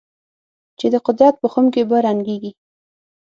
چې د قدرت په خُم کې به رنګېږي.